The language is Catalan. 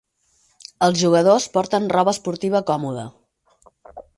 Els jugadors porten roba esportiva còmoda.